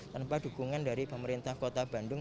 tanpa dukungan dari pemerintah kota bandung